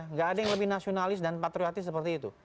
nggak ada yang lebih nasionalis dan patriotis seperti itu